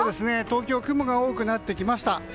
東京、雲が多くなってきました。